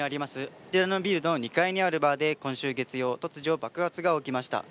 こちらのビルの２階にあるバーで、今週月曜、突如爆発が起きました。